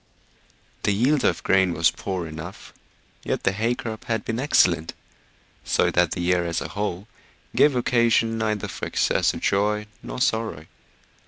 The yield of grain was poor enough, yet the hay crop had been excellent, so that the year as a whole gave occasion neither for excess of joy nor sorrow.